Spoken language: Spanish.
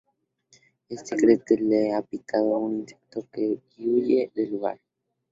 Éste cree que le ha picado un insecto y huye del lugar.